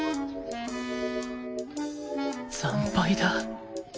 惨敗だ